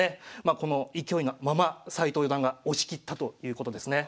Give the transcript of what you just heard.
この勢いのまま斎藤四段が押し切ったということですね。